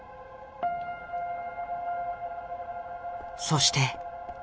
そして。